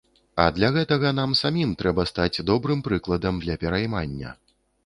А для гэтага нам самім трэба стаць добрым прыкладам для пераймання.